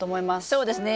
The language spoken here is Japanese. そうですね。